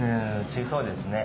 そうですね。